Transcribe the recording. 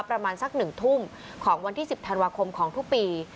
ประมาณสัก๑ทุ่มของวันที่๑๐ธันวาคมของทุกปี